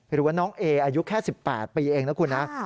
หรือว่าน้องเออายุแค่๑๘ปีเองนะคุณนะ